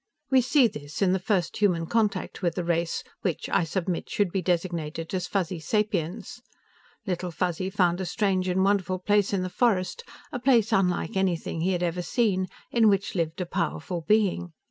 We see this in the first human contact with the race which, I submit, should be designated as Fuzzy sapiens. Little Fuzzy found a strange and wonderful place in the forest, a place unlike anything he had ever seen, in which lived a powerful being.